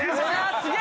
すげえ！